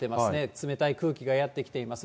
冷たい空気がやって来ています。